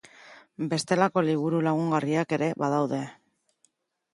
Bestelako liburu lagungarriak ere badaude.